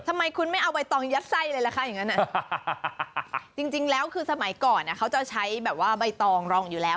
ทำไมคุณไม่เอาใบตองยัดไส้เลยล่ะคะอย่างนั้นจริงแล้วคือสมัยก่อนเขาจะใช้แบบว่าใบตองรองอยู่แล้ว